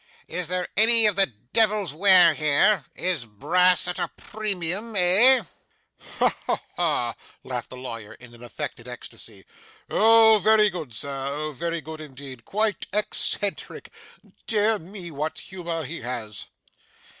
Is there any of the Devil's ware here? Is Brass at a premium, eh?' 'Ha, ha, ha!' laughed the lawyer in an affected ecstasy. 'Oh, very good, Sir! Oh, very good indeed! Quite eccentric! Dear me, what humour he has!